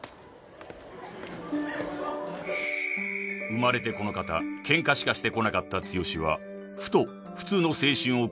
［生まれてこの方ケンカしかしてこなかった剛はふと普通の青春を送りたいと